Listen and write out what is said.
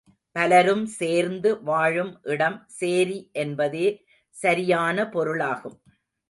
பலரும் சேர்ந்து வாழும் இடம் சேரி என்பதே சரியான பொருளாகும்.